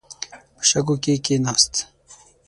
په شګو کې کښیناست.